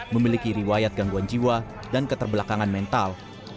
memiliki riwayat gangguan jiwa dan keterbelakangan mental